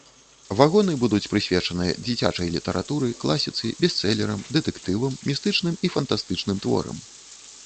Вагоны будуць прысвечаныя дзіцячай літаратуры, класіцы, бестселерам, дэтэктывам, містычным і фантастычным творам.